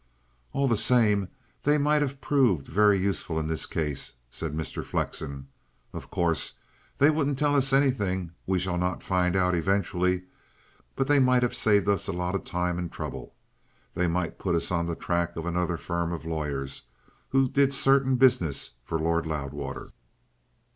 "All the same, they might have proved very useful in this case," said Mr. Flexen. "Of course, they wouldn't tell us anything we shall not find out eventually. But they might have saved us a lot of time and trouble. They might put us on to the track of another firm of lawyers who did certain business for Lord Loudwater."